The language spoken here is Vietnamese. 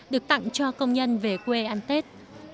được tặng cho công nhân về quê ăn tết